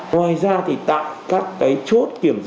ngoài ra thì tại các cái chốt kiểm soát